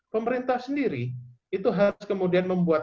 pemerintah sendiri itu harus kemudian membuat